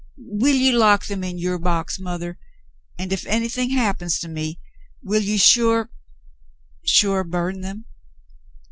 Will you lock them in your box, mother, and if, anything hap pens to me, will you sure — sure burn them